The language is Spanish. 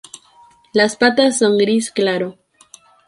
Las patas son gris claro.